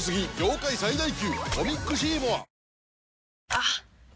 あっ！